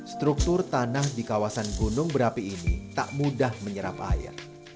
struktur tanah di kawasan gunung berapi ini tak mudah menyerap air